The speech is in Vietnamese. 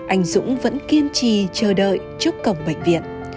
anh dũng vẫn kiên trì chờ đợi trước cổng bệnh viện